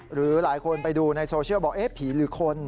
หรือหลายคนไปดูในโซเชียลบอกเอ๊ะผีหรือคน